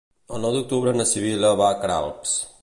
El nou d'octubre na Sibil·la va a Queralbs.